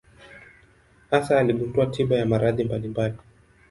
Hasa aligundua tiba ya maradhi mbalimbali.